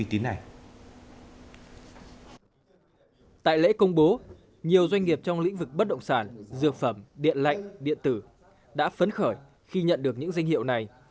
tại lễ công bố nhiều doanh nghiệp trong lĩnh vực bất động sản dược phẩm điện lạnh điện tử đã phấn khởi khi nhận được những danh hiệu này